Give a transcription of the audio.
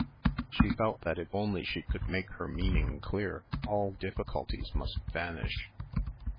She felt that if only she could make her meaning clear all difficulties must vanish.